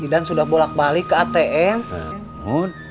sudah bolak balik ke atm